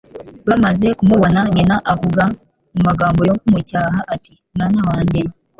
Bamaze kumubona, nyina avuga mu magambo yo kumucyaha ati, '' Mwana wanjye,